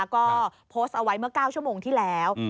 ก็โพสต์เอาไว้เมื่อ๙ชั่วโมงที่แล้ว